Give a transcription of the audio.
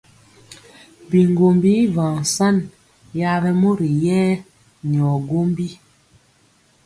Biŋgombi i vaŋ san, yaɓɛ mori yɛ nyɔ gwombi.